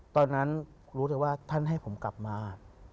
ตอนนั้นรู้แต่ว่าท่านให้ผมกลับมา